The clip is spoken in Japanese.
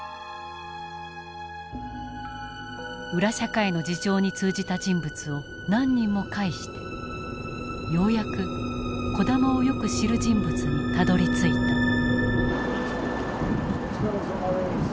裏社会の事情に通じた人物を何人も介してようやく児玉をよく知る人物にたどりついた。